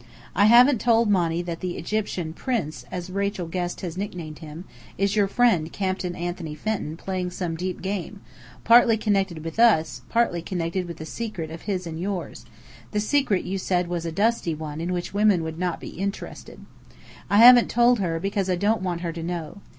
I haven't told Monny that the "Egyptian Prince," as Rachel Guest has nicknamed him, is your friend Captain Anthony Fenton playing some deep game, partly connected with us, partly connected with a secret of his and yours; the secret you said was a "dusty" one in which women would not be interested. I haven't told her, because I don't want her to know.